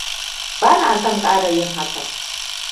Bana son ƙara yin hakan.